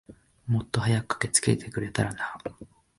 もっと早く駆けつけてくれたらな。